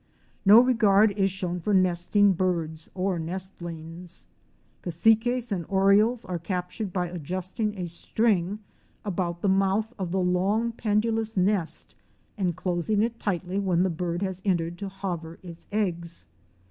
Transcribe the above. No regard is shown for nesting birds or nestlings. Cas siques and Orioles are captured by adjusting a string about the mouth of the long pendulous nest, and closing it tightly when the bird has entered to hover its eggs.